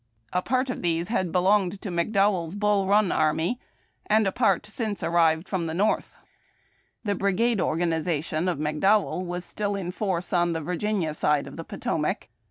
A part of these liad belonged to McDowell's Bull Run arni}^ and a part had since arrived from the North. The brigade organization of McDowell was still in force on the Virginia side of the Potomac.